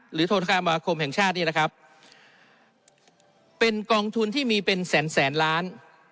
โทษคามาคมแห่งชาตินี่นะครับเป็นกองทุนที่มีเป็นแสนแสนล้าน